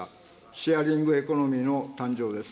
シェアリングエコノミーの誕生です。